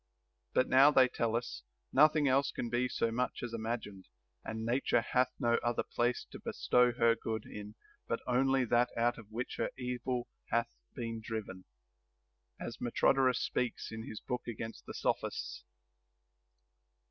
But now they tell us, nothing else can be so much as imagined, and nature hath no other place to bestow her good in but only that out of which her evil hath been driven ; as Metrodorus speaks in his book against the Sophists.